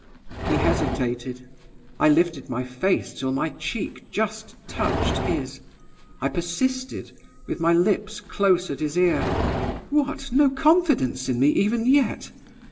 "He hesitated. "I lifted my face till my cheek just touched his. I persisted, with my lips close at his ear: "'What, no confidence in me even yet!